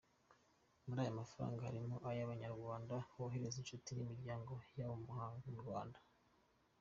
Muri aya mafaranga harimo ayo aba banyarwanda bohereza inshuti n’imiryango yabo mu Rwanda.